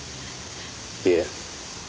いえ。